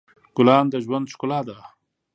ګلان د ژوند ښکلا ده.